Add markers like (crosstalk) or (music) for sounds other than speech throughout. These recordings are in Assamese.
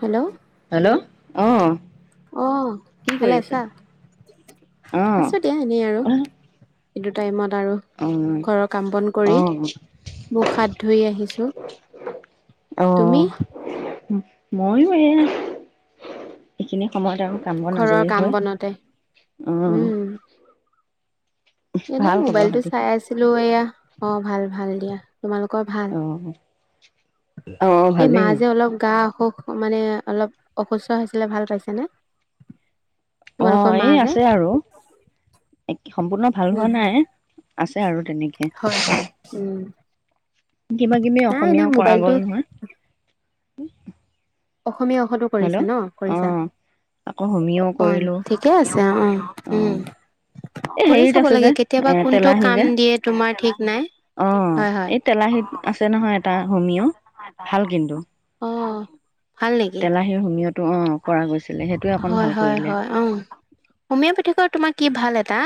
হেল্ল'। হেল্ল' অ'। অ', ভালে আছো, অ আছো দিয়া এনেই আৰু। এইটো টাইমত আৰু অ ঘৰৰ কাম বন কৰি মুখ হাত ধুই আহিছোঁ। অ', ময়ো এ এইখিনি সময়ত আৰু কাম বোৰ ঘৰৰ আজৰি কাম হয়, বনতে উম। এনেই মোবাইলটো চাই আছিলো এয়া অ', ভাল, ভাল দিয়া, তোমালোকৰ ভাল? অ অ', এই মা ভালেই। যে অলপ গা অসুখ মানে অলপ অসুস্থ হৈছিলে ভাল পাইছেনে? তোমালোকৰ অ', মা এই যে আছে আৰু। সম্পূৰ্ণ ভাল হোৱা উম নাই আছে আৰু হয় তেনেকে। হয় উম কিবা কিবি নাই এনেই অসমীয়াও কৰা মোবাইলটো গ'ল নহয়। অসমীয়া অষতো কৰিছা হেল্ল' ন' অ কৰিছা। আকৌ হোমিও অ', কৰিলো ঠিকেই আছে, অ', অ', উম। এই কৰি হেৰিত চাব আছে যে লাগে এ কেতিয়াবা কোনটো তেলাহী যে কাম দিয়ে তোমাৰ ঠিক নাই। অ', হয় হয় এই তেলাহীত আছে নহয় এটা হোমিঅ' ভাল কিন্তু। অ ভাল নেকি তেলাহীৰ হুমিয়তো অ', কৰা গৈছে। হয়, হয়, হয়, অ', হমিঅ'পেথিকৰ তোমাৰ কি ভাল এটা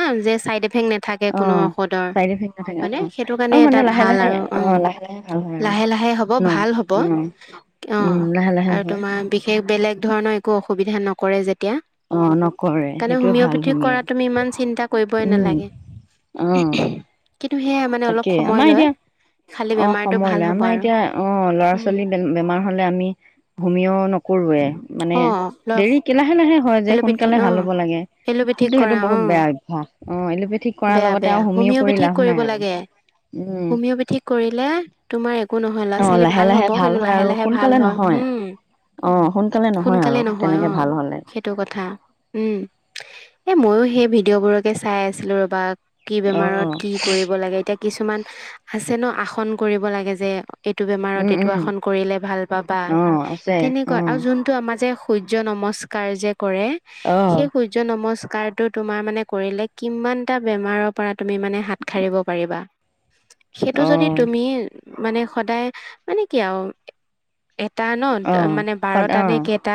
তে নাথাকে অ কোনো ঔষধৰ চাইড ইফেক্ট নাথাকে অ মানে সেইটো কাৰণে আৰু এটা মানে লাহে ভাল লাহে আৰু অ উম, লাহে লাহে ভাল হয় লা আৰু লাহে লাহে হ'ব, ন ভাল হ'ব, অ উম অ', লাহে লাহে আৰু হয় তোমাৰ বিশেষ বেলেগ ধৰণৰ একো অসুবিধা নকৰে যে এতিয়া অ নকৰে তাতে সেইটোৱে ভাল হোমিঅ'পেথি হোমিঅ কৰা তুমি ইমান চিন্তা কৰিবই উম নালাগে। অ'। কিন্তু সেয়াই মানে অলপ তাকে সময় আমাৰ লয়। এতিয়া খালি অ', বেমাৰটো সময় ভাল লাই হ'ব আমাৰ আৰু এতিয়া অ', উম ল'ৰা-ছোৱালী বেমাৰ হলে আমি ভূমিও নক কৰোৱে মানে অ লয় দেৰি কি লাহে লাহে হয় যে এল'পেথি সোনকালে অ ভাল হ'ব লাগে। এল'পেথিক কিন্তু সেইটো কৰা অ বহুত বেয়া অভ্যাস অ', এলোপেথিক কৰাৰ বেয়া লগতে আৰু হোমিঅ' কৰি লাভ নাই আৰু। উম হোমিঅপেথি কৰিলে তোমাৰ একো নহয় অ ল'ৰা-ছোৱালী লাহে ভাল লাহে হ'ব কিন্তু হয় লাহে আৰু লাহে ভাল সোনকালে হয়, নহয় উম। অ', সোনকালে নহয় আৰু নহয় অ তেনেকে ভাল হ'লে। সেইটো কথা এই ময়ো সেই ভিডিঅ'বোৰকে চাই আছিলোঁ ৰ'বা। কি অ বেমাৰত কি কৰিব লাগে এতিয়া কিছুমান আছে ন' আসন কৰিব লাগে যে। এইটো বেমাৰত উম এইটো উম আসন কৰিলে ভাল পাবা অ আছে অ তেনেকুৱা আৰু যোনটো আমাৰ যে, সূৰ্য নমস্কাৰ যে কৰে অ সেই সূৰ্য নমস্ টো তোমাৰ মানে কৰিলে কিমানটা বেমাৰৰ পৰা তুমি মানে হাত সাৰিব পাৰিবা। সেইটো অ যদি তুমি মানে সদায় মানে কি আৰু এটা অ ন মানে সদ অ বাৰটা নে কেইটা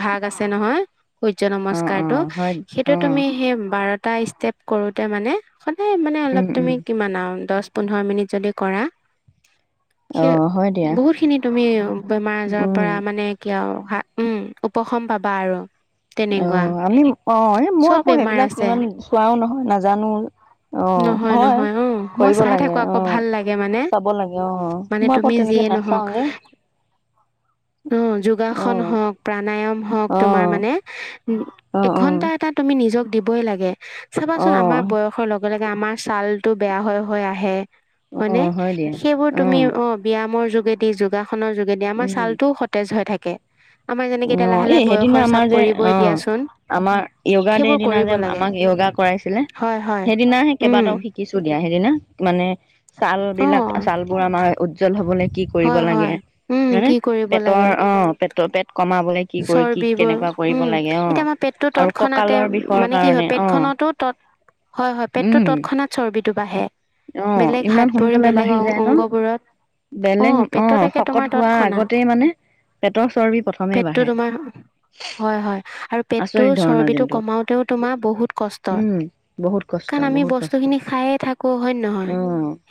ভাগ আছে নহয়। সূৰ্য অ অ নমস্কাৰটো হয় অ সেইটো তুমি সেই বাৰটা ষ্টেপ কৰোতে মানে, তাতে মানে উম অলপ উম তুমি কিমান আৰু দহ পোন্ধৰ মিনিট যদি কৰা, অ সেই হয় দিয়া বহুত খিনি তুমি বেমাৰ আজাৰৰ উম পৰা মানে কি আৰু উম উপশম পাবা আৰু অ তেনেকুৱা আমি অ মোৰ চব আকৌ বেমাৰ সেইবিলাক আছে ইমান চোৱাও নহয় নাজানো। অ নহয় হয় নহয় অ মই কৰিব চাই থাকো লাগে অ আকৌ ভাল লাগে মানে চাব লাগে অ মানে মই আকৌ তেনেকে নাচাওঁ উ যোগাসন হওক প্ৰাণায়াম হওক অ তোমাৰ মানে অ এঘন্টা এটা তুমি নিজক দিবই লাগে। অ চাবাচোন আমাৰ অ বয়সৰ লগে লগে আমাৰ ছাল টো বেয়া হৈ হৈ আহে। অ হয়নে হয় দিয়া সেইবোৰ তুমি অ ব্যায়ামৰ যোগেদি যোগাস খনৰ যোগেদিয়ে আমাৰ উম ছালটোও সতেজ হৈ থাকে। আমাৰ যেনেকে এতিয়া অ লাহে লাহে এই সেইদিনা বয়সৰ চাপ আমাৰ যে পৰিবই অহ, দিয়াচোন। আমাৰ য়গা দেৰ সেইবোৰ দিনা কৰিব যে লাগে। আমাক য়গা কৰাইছিলে হয় হয়। সেইদিনা উম, কেইবাটাও শিকিছো দিয়া সেইদিনা মানে ছাল বিলাক অ' চাল বোৰ আমাৰ উজ্জ্বল হ'বলে কি কৰিব হয় লাগে হয়। উম, হে কি কৰিব পেটৰ লাগে অ পেটৰ পেট কমাবলৈ কি কৰি কি চৰ্বিবোৰ কেনেকুৱা কৰিব উম লাগে অ এতিয়া আমাৰ পেটটো আৰু তৎক্ষণাতে কঁকালৰ বিষৰ মানে কি হয় কাৰণে অ পেটখনত, হয় হয় পেটটো উম তৎক্ষণাত চৰ্বিত অ ইমান সোনকালে বেলেগ বাঢ়ি অ যায় ন অংগবোৰত বেলেগ অ পেটত একে শকত তোমাৰ হোৱাৰ তৎক্ষণাত আগতেই মানে পেটৰ চৰ্বি প্ৰথম পেটটো তোমাৰ হয় হয় আৰু পেটটো আচৰিত ধৰণৰ চৰ্বিটো কিন্তু কমাওতেও তোমাৰ বহুত কষ্ট উম বহুত কষ্ট কাৰণ আমি বহুত বস্তু কষ্ট খিনি খাই থাকো। হয় নহয় অ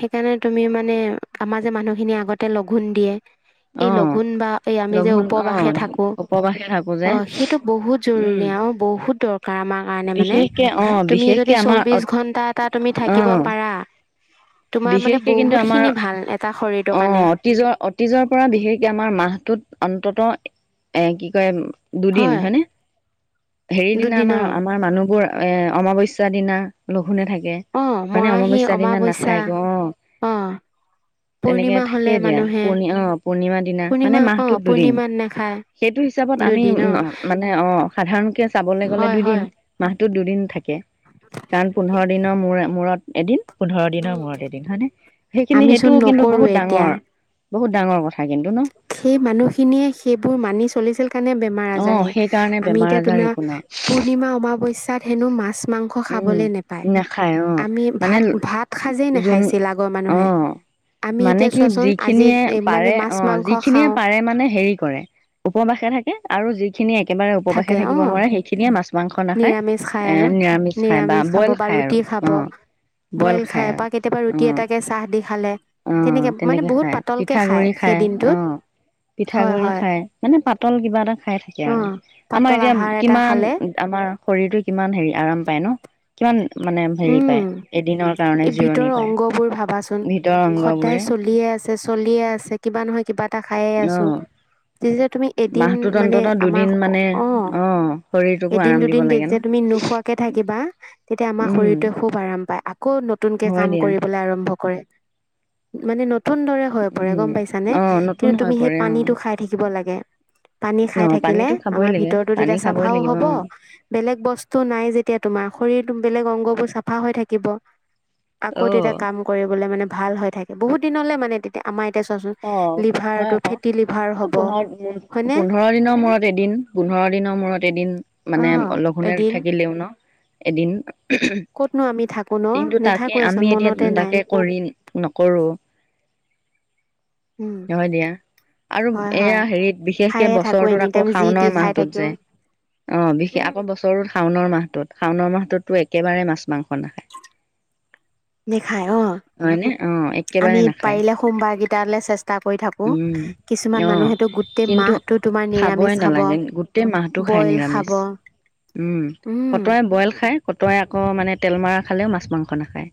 সেইকাৰণে তুমি মানে আমাৰ যে মানুহখিনি আগতে লঘোণ দিয়ে অ এই লগুন বা এই আমি যে লঘোণ অ উপবাসে থাকো। উপবাসে থাকো যে অ সেইটো বহুত উম জৰুৰী আৰু বহুত দৰকাৰ আমাৰ কাৰণে মানে, বিশেষকে অ তুমি বিশেষকে যদি আমাৰ চৌবিছ ঘণ্টা এটা তুমি অ থাকিব পাৰা। তোমাৰ মানে বিশেষকে কিন্তু বহুত আমাৰ, খিনি ভাল এটা শৰীৰটোৰ অ কাৰণে অতীজৰ অতীজৰ পৰা বিশেষকে আমাৰ মাহটোত অন্তত। এ কি কয়? দুদিন হয় হয়নে হেৰি দিনা আমাৰ দুদিনৰ আমাৰ মানুহবোৰ এ অমাৱস্যা দিনা লঘোণে থাকে অহ হয়নে মৰাহি অমাৱস্যা দিনা অমাৱস্যা নাখায় অ আহ! তেনেকে থাকে দিয়া পূৰ্ণি অ পূৰ্ণিমাৰ দিনা মানে পূৰ্ণিমা অ মাহটোত দুদিন পূৰ্ণিমাত নাখায় সেইটো হিচাপত আমি দুদিন অ মানে অ সাধাৰণকে চাবলৈ গলে হয় দুদিন হয় মাহটোত দুদিন থাকে। কাৰণ পোন্ধৰ দিনৰ মূৰে মূৰত এদিন, পোন্ধৰ দিনৰ মূৰতে এদিন হয়নে সেইখিনি সেইটো আমিচোন কিন্তু, বহুত নকৰোৱে এতিয়া ডাঙৰ বহুত ডাঙৰ কথা। কিন্তু ন সেই মানুহখিনিয়ে সেইবোৰ মানি চলিছিল কাৰণে বে অ সেইকাৰণে আি বেমাৰ আজাৰ একো নাই এতিয়াস হেন মা মাংস উম খাবলে নেপায় নাখায় অ আমি মানে ভাত ভাত সাজেই যোন নাখাইছিল আগৰ মানুহে অ আমি মানে এতিয়া কি চোৱাচোন আজি যিখিনিয়ে মানে পাৰে মাছ অ মাংস যিখিনিয়ে খাওঁ পাৰে মানে হেৰি কৰে উপবাসে থাকে আৰু যিখিনিয়ে একেবাৰে উপবাসে থাকে থাকিব অ নোৱাৰে সেইখিনিয়ে মাছ মাংস নাখায় নিৰামিষ খায় আৰু এ নিৰামিষ খাই বা খাব বইল বা খায় ৰুটি আৰু খাব অ বইল খায় বা কেতিয়াবা আৰু ৰুটি অ এটাকে চাহ দি খালে অ মানে তেনেকে বহুত খায় পাতলকে পিঠাগুৰি সেই খায় অ দিনটোত হয় পিঠাগুৰি হয় খাই মানে পাতল কিবা এটা খাই থাকে অ আৰু আমাৰ পাতল এতিয়া আহাৰ এটা কিমান খালে আমাৰ শৰীৰটোৱে কিমান হেৰি আৰাম পায় ন কিমান মানে হেৰি উম পায় এদিনৰ কাৰণে এই জিৰণি ভিতৰৰ পায় অংগবোৰ ভাবাচোন ভিতৰৰ সদায় অংগবোৰে চলিয়ে আছে চলিয়ে আছে কিবা নহয় কিবা এটা খাইয়ে আছো অ তেতিয়া তুমি এদিন মাহটোত মানে অন্তত আমাৰ দুদিন মানে অ অঁ শৰীৰটোকো এদিন আৰাম দিব দুদিন লাগে ন তেতিয়া তুমি নু নোখোৱাকে থাকিবা তেতিয়া আমাৰ উম শৰীৰটোৱে খুব আৰাম পায় আকৌ নতুনকে হয় কাম দিয়া কৰিবলৈ আৰম্ভ কৰে মানে নত নতুনদৰে হৈ পৰে গম পাইছানে অঁ নতুন কিন্তু হৈ তুমি সেই পৰে অঁ পানীটো খাই থাকিব লাগে পানী খাই অঁ থাকিলে পানীটো খাবই আমাৰ লাগে ভিতৰতো পানী তেতিয়া খাবই চাফাও লাগিব হব বেলেগ বস্তু নাই যেতিয়া তোমাৰ শৰীৰ বেলেগ অংগ বোৰ চাফা হৈ থাকিব আকৌ অঁ অঁ তেতিয়া কাম কৰিবলে মানে ভাল হৈ থাকে বহুত দিনলৈ মানে তেতিয়া আমাৰ এতিয়া চোৱাচোন অ হয় লিভাৰটো আকৌ ফেটি লিভাৰ হ'ব পোন্ধৰ হয়নে পোন্ধৰ দিনৰ মূৰত এদিন পোন্ধ পোন্ধৰ দিনৰ মূৰত এদিন অ মানে লঘোণে এদিন থাকিলেও ন এদিন ক'তনো আমি থাকো ন কিন্তু তাকে নাথাকোৱেচোন আমি এতিয়া মনতে নাই তাকে কৰি নকৰো (unintelligible) উম হয় দিয়া আৰু হয় হয় এয়া হেৰিত বিশেষকে খায়ে থাকো বছৰটোত এনি আকৌ টাইম যি টি শাওণৰ খাই মাহটোত থাকো যে অ বিশেষ উম আকৌ বছৰৰ শাওনৰ মাহটোত শাওণৰ মাহটোতটো একেবাৰে মাছ মাংস নাখায় নেখাই অ হয়নে অ একেবাৰে আমি নাখায় পাৰিলে সোমবাৰ কেইটালে চেষ্ট টা কৰি থাকো উম অ কিছুমান মানুহেতো গোটেই কিন্তু মাহটো তোমাৰ খাবই নিৰামিচ খাব নালাগে গোটেই মাহটো খায় বইল নিৰামিষ খাব উম কতৱে বইল খায় কতৱে আকৌ মানে তেল মৰা খালেও মাছ মাংস নাখায়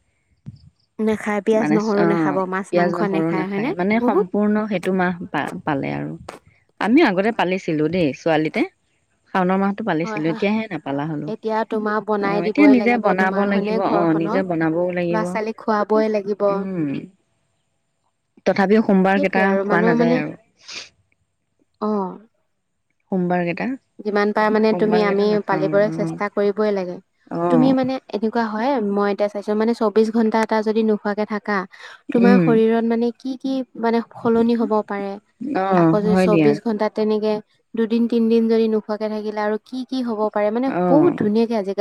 নাখায় পিয়াজ মানে নহৰু অ নাখাব মাছ পিয়াজ মাংস নহৰু নাখায় হয়নে মানে বহুত সম্পূৰ্ণ সেইটো মাহ হয় পা হয় পালে আৰু আমিও আগতে পালে পালিছিলো পালে দেই ছোৱালীতে শাওণ মাহটো হয় পালিছিলো হয় এতিয়াহে নাপালো এতিয়া তোমাৰ বনাই দিবই লাগিব বনাব তোমাৰ হয়নে লাগিব অ ঘৰ নিজে খনৰ বনাবও ল'ৰা লাগিব ছোৱালীক খোৱ ব বই লাগিব উম তথাপিও সোমবাৰ সেইটোৱে কেইটা আৰু খোৱা মানুহ মানে নাযায় আৰু অ সোমবাৰ কেই যিমান পাৰা মানে তুমি আমি পালিবই আৰু অ চেষ্টা কৰিবই লাগে অ তুমি মানে এনেকুৱা হয় মই এতিয়া চাইছো মানে চৌবিশ ঘণ্টা এটা যদি নোখোৱাকে থাকা তোমাৰ উম শৰীৰত মানে কি কি মানে সলনি হব পাৰে অ আকৌ যে হয় দিয়া চৌবিশ ঘন্টা তেনেকে দুদিন তিনদিন যদি নোখোৱাকে থাকিলে আৰু কি কি হ'ব পাৰে মানে অ বহুত ধুনীয়াকে আজি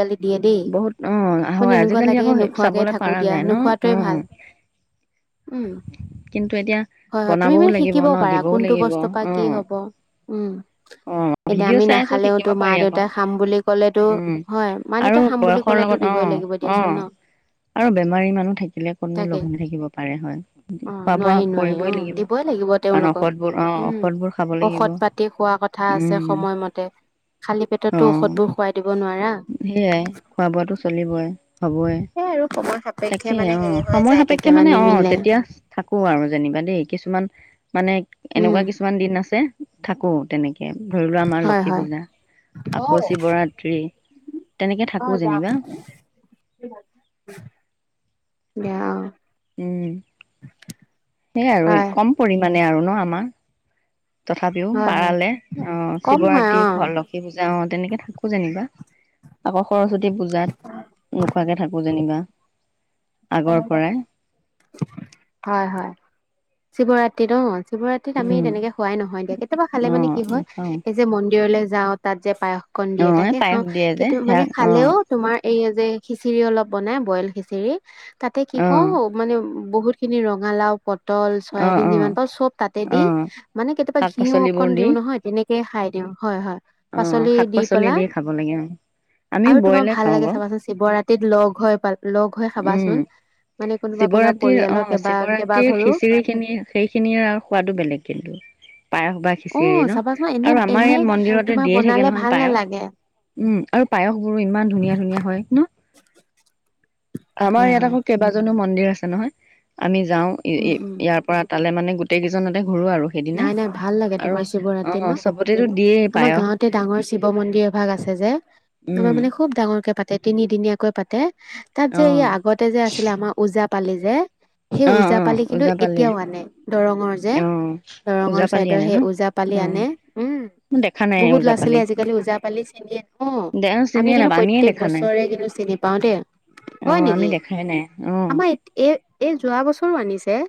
বহুত অ হয় আজিকালি লাগে আকৌ নোখোৱাকে চাবলে থাকো পাৰা দিয়া যায় ন নোখোৱাটোৱে উম ভাল (unintelligible) উম হয় হয় তুমি বনাবও মানে লাগিব শিকিব ন পাৰা দিবও কোনটো লাগিব বস্তু পা অ কি হব উম অ এতিয়া ভিডিঅ' আমি চাই চব শিকিব নাখালেওতো মা পাৰি আকৌ দেউতাই খাম বুলি ক'লেতো উম হয় মা আৰু দেউতা খাম বুলি বয়সৰ ক'লেতো লগত অ দিবই লাগি-' লাগিব অ দিয়াচোন ন আৰু বেমাৰী মানুহ থাকিলে কতনো তাকে লঘোণে থাকিব পাৰে হয় অ খোৱা বোৱা নোৱাৰি নোৱাৰি কৰিবই অ লাগিব দিবই লাগিব কাৰণ ঔষধবোৰ অ তেওঁলোকক ঔষধবোৰ খাব উম লাগিব ঔষধ পাতি খোৱা কথা আছে উম সময়মতে খালী পেটততো অ ঔষধবোৰ খুৱাই দিব নোৱাৰা সেয়াই খোৱা বোৱাটো চলিবই হ'বই সেই আৰু সময় সাপেক্ষে তাকে মানে অ হেৰি হৈ সময় যায় সাপেক্ষে কেতিয়াবা মানে অ নিমিলে তেতিয়া থাকো আৰু যেনিবা দেই কিছুমান মানে উম এনেকুৱা কিছুমান দিন আছে থাকো তেনেকে ধৰি লোৱা আমাৰ হয় লক্ষী হয় পূজা অ আকৌ শিৱৰাতি অ যাও দিয়া আও উম সেই আৰু হয় কম পৰিমাণে আৰু ন আমাৰ তথাপিও হয় হয় পাৰালে অ কম হয় শিৱৰাতি অ ঘৰ লক্ষী পূজা অ তেনেকে থাকো যেনিবা আকৌ সৰস্বতী পূজাত নোখোৱাকে থাকো যেনিবা আগৰ হয় হয় পৰাই শিৱৰাত্ৰি ন শিৱৰাত্ৰিত আমি উম তেনেকে খোৱাই নহয় দিয়া কেতিয়াবা খালে অ মানে কি হয় নাখাও এই যে মন্দিৰলৈ যাওঁ তাত যে পায়স কণ অ দিয়ে এই তাকে পায়স খাওঁ দিয়ে যে কিন্তু সেয়া মানে অ খালেও তোমাৰ এই যে খিচিৰি অলপ বনাই বইল খিচিৰি তাতে কি অ কওঁ মানে বহুত খিনি ৰঙালাও পথ পটল অ চয়াবিন অ যিমান পাওঁ চব তাতে অ দি মানে কেতিয়াবা শাক ঘিউও পাচলিবোৰ অকণ দি দিও নহয় তেনেকে তে খাই দিওঁ হয় হয় অ পাচলি শাক দি পাচলি পেলা খাব লাগে অ আমি আৰু তোমাৰ বইলে ভাল খাওঁ লাগে বাৰু চাবাচোন শিৱৰাতিত লগ হৈ লগ হৈ খাবাচোন মানে কোনো শিৱৰাত্ৰ অ শিৱৰাতিৰ খিচিৰি খিনি সেইখিনিয়ে আৰু সোৱাদো বেলেগ কিন্তু পায়স বা অ খিচিৰি ন চাবাচোন এনে আৰু আমাৰ এনে ইয়াত মন্দিৰতে তোমাৰ দিয়ে থাকে বনালে নহয় ভাল পায়স নালাগে। উম আৰু পায়স বোৰো ইমান ধুনীয়া ধুনীয়া হয় ন আমাৰ হয় ইয়াত হয়। আকৌ কেইবাজনো মন্দিৰ আছে নহয় আমি যাওঁ উম উম ইয়াৰ পৰা তালে মানে গোটেই কেইজনতে ঘোৰো আৰু সেইদিনা নাই নাই ভাল লাগে আৰু অ চবতেতো দিয়ে গাওঁতে ডাঙৰ শিৱ মন্দিৰ এভাগ আছে যে তোমাৰ উম মানে খুব ডাঙৰকে পাতে তিনিদিনীয়াকৈ পাতে তাত অ যে এই আগতে যে আছিলে আমাৰ ওজা পালি যে সেই অ অ ওজা পালি কিন্তু ওজাপালি এতিয়াও আনে দৰঙৰ যে অ দৰঙৰ ওজাপালি চাইদৰ আনে ন সেই ওজা অ পালি আনে উম মই দেখা নাই বহুত ল'ৰা ওজাপালি ছোৱালী আজিকালি ওজা পালি চিনিনিয়ে দে নহ আমি চিনিয়ে কিন্তু নাপাওঁ আমিয়ে প্ৰত্যেক দেখা নাই বছৰে কিন্তু চ পাও দে অ হয় আমি নেকি দেখাই নাই অ আমাৰ এই এই যোৱা বছৰ বছৰো আনিছে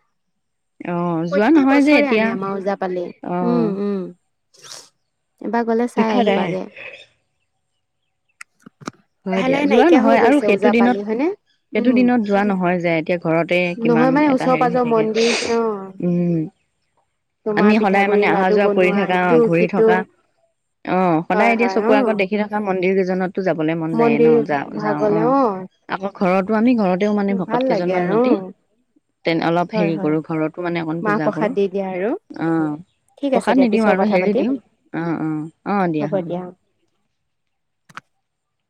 অ যোৱা প্ৰত্যেক নহয় যে বছৰে আনে এতিয়া আমাৰ ওজা পালে অ উম উম এবাৰ গলে চাই দেখা নাই আহিবাগে হয় লাহে দিয়া লাহে যোৱা নাইকিয়া হৈ নহয় আৰু গৈছে সেইটো দিনত ওজাপালি হয়নে? সেইটো উম, দিনত যোৱা নহয় যে এতিয়া ঘৰতে কিমান নহয় মানে এটা ওচৰ হেৰি হৈ পাজৰ থাকে মন্দিৰ অ', উম তোমাৰ আমি সদায় পিঠাগুৰি মানে অহা লাডু যোৱা কৰি বনোৱা থাকা ইটো ঘূৰি সিটো থকা অ সদায় হয়, এতিয়া হয়, চকুৰ অ', আগত দেখি থকা মন্দিৰ কেইজনতো যাব যাবলে মন যায় ন মন্দিৰ যা যাওঁ অ ভাগলে আকৌ ঘৰতো আমি ঘৰতেও মানে ভকত ভাল লাগে কেইজনমান আৰু মাতি অ', তে অলপ হয়, হেৰি হয়। কৰো ঘৰতো মান মাণে অকণ মাহ পূজা প্ৰসাদ কৰোঁ দি দিয়া আৰু অঁ ঠিক আছে প্ৰসাদ দিয়া নিদিওঁ পিছৰ আৰু কথা হেৰি পাতিম দিওঁ অ অ অ দিয়া হ'ব দিয়া